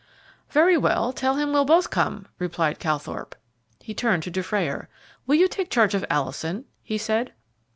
"Very well; tell him we'll both come," replied Calthorpe. He turned to Dufrayer. "Will you take charge of Alison?" he said.